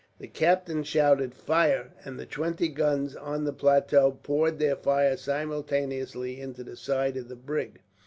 The captain shouted "Fire!" and the twenty guns on the plateau poured their fire simultaneously into the side of the brig.